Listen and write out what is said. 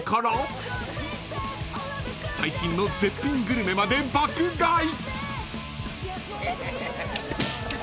［最新の絶品グルメまで爆買い！］